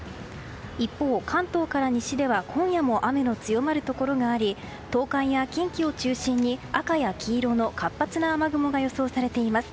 一方、関東から西では今夜も雨の強まるところがあり東海や近畿を中心に赤や黄色の活発な雨雲が予想されています。